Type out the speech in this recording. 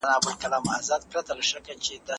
په امریکا کې مېګرین د اقتصادي زیان سبب دی.